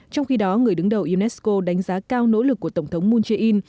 trong khi đó người đứng đầu unesco đánh giá cao nỗ lực của tổng thống moon jae in